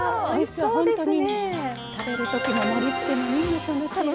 そうですね。